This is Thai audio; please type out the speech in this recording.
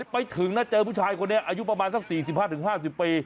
ไปถึงนะเจอผู้ชายคนนี้อายุประมาณสัก๔๕๕๐ปี